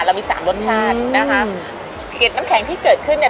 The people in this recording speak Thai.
เรามีสามรสชาตินะคะเก็ดน้ำแข็งที่เกิดขึ้นเนี่ย